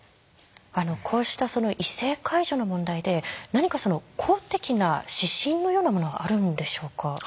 こうした異性介助の問題で何か公的な指針のようなものはあるんでしょうか？